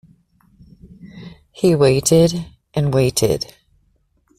He waited and waited.